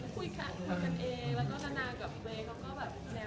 ก็อย่างไรก็ได้ต้องต้อนเดียวกันแล้วมันคุยกันเอง